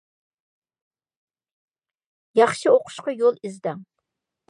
ياخشى ئوقۇشقا يول ئىزدەڭ.